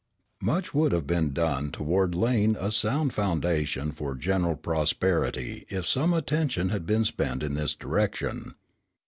Much would have been done toward laying a sound foundation for general prosperity if some attention had been spent in this direction.